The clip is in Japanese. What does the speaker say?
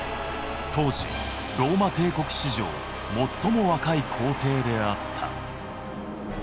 当時ローマ帝国史上最も若い皇帝であった。